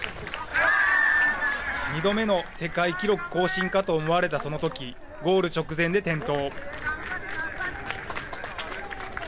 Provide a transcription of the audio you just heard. ２度目の世界記録更新かと思われた、そのときゴール直前で転倒。